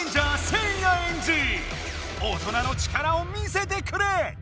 大人の力を見せてくれ！